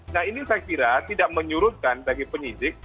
nah ini saya kira tidak menyurutkan bagi penyidik